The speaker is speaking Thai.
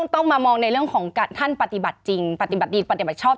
ต้องมามองในเรื่องของการท่านปฏิบัติจริงปฏิบัติดีปฏิบัติชอบ